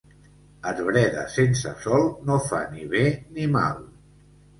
Arbreda sense sol no fa ni bé ni mal.